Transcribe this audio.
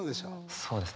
そうですね